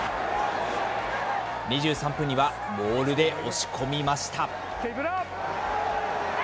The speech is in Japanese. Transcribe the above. ２３分には、モールで押し込みました。